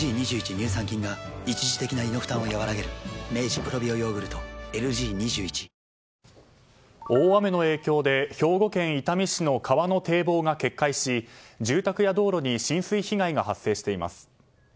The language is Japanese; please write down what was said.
乳酸菌が一時的な胃の負担をやわらげる大雨の影響で兵庫県伊丹市の川の堤防が決壊し、住宅や道路に浸水被害が発生しています。